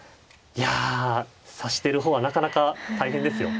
いや指してる方はなかなか大変ですよ。